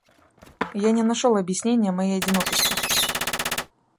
Я не нашёл объяснения моей одинокости.